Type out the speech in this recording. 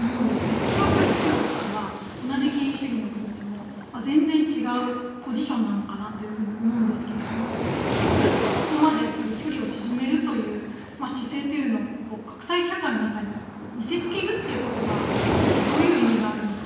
ここはやっぱり中国とは同じ権威主義の国でも全然違うポジションなのかなと思うんですがそれでもここまで距離を縮めるという姿勢というのを国際社会に見せつけるっていうことが果たしてどういう意味があるのか。